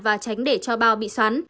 và tránh để cho bao bị xoắn